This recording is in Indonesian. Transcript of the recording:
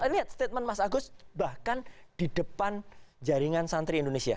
lihat statement mas agus bahkan di depan jaringan santri indonesia